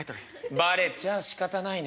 「ばれちゃあしかたないね」。